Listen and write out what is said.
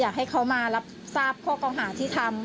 อยากให้เขามารับทราบข้อเก่าหาที่ทำ